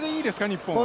日本は。